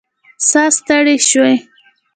ساه ستړې شوې